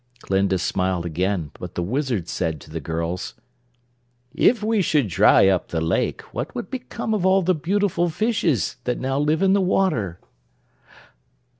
Glinda smiled again, but the Wizard said to the girls: "If we should dry up the lake, what would become of all the beautiful fishes that now live in the water?"